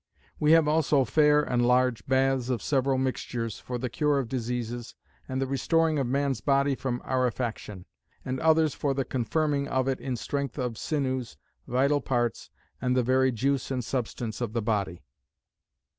"We have also fair and large baths, of several mixtures, for the cure of diseases, and the restoring of man's body from arefaction: and others for the confirming of it in strength of sinewes, vital parts, and the very juice and substance of the body.